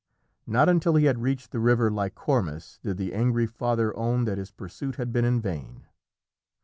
Not until he had reached the river Lycormas did the angry father own that his pursuit had been in vain.